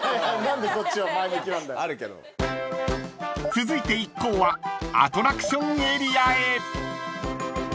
［続いて一行はアトラクションエリアへ］